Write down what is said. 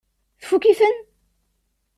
Tfukk-iten?